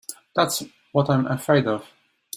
That's what I'm afraid of.